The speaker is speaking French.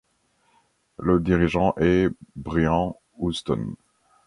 Le dirigeant est Brian Houston.